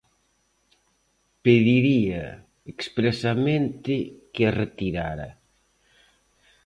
Pediría expresamente que a retirara.